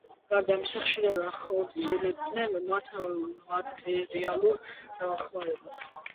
გარდა ამისა, ხშირად ახორციელებდნენ მათ მატერიალურ დახმარებას.